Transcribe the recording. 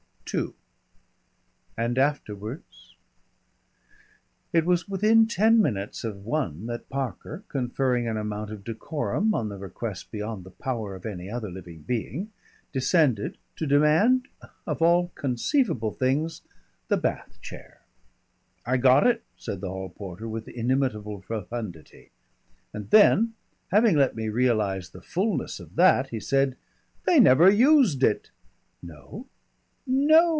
II And afterwards It was within ten minutes of one that Parker, conferring an amount of decorum on the request beyond the power of any other living being, descended to demand of all conceivable things the bath chair! "I got it," said the hall porter with inimitable profundity. And then, having let me realise the fulness of that, he said: "They never used it!" "No?" "No!